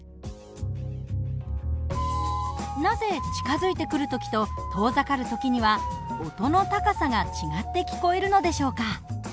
なぜ近づいてくる時と遠ざかる時には音の高さが違って聞こえるのでしょうか。